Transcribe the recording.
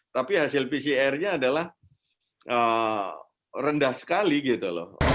tapi hasil pcr nya adalah rendah sekali gitu loh